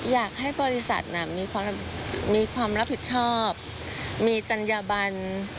อยากให้บริษัทมีความรับผิดชอบมีจัญญบัน